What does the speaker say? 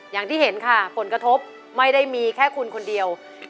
อย่างที่เห็นค่ะผลกระทบไม่ได้มีแค่คุณคนเดียว